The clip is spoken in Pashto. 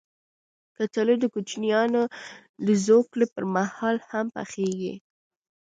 کچالو د کوچنیانو د زوکړې پر مهال هم پخېږي